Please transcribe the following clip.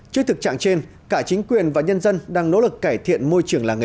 trước thực trạng trên cả chính quyền và nhân dân đang nỗ lực cải thiện môi trường làng nghề